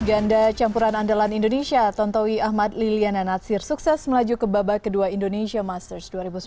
ganda campuran andalan indonesia tontowi ahmad liliana natsir sukses melaju ke babak kedua indonesia masters dua ribu sembilan belas